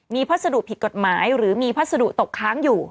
มีพัสดุผิดกฎหมายหรือมีพัสดุตกค้างอยู่